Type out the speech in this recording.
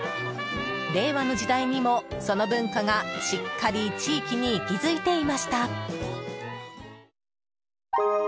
令和の時代にも、その文化がしっかり地域に息づいていました。